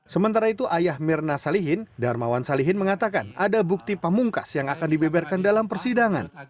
sementara itu ayah mirna salihin darmawan salihin mengatakan ada bukti pamungkas yang akan dibeberkan dalam persidangan